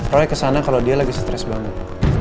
roy kesana kalau dia lagi stres banget